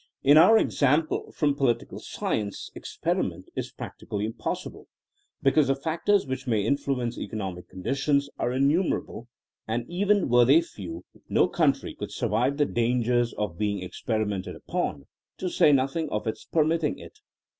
In our ex ample from political science experiment is prac tically impossible, because the factors which may influence economic conditions are innumer able, and even were they few, no country could survive the dangers of being experimented upon — ^to say nothing of its permitting it.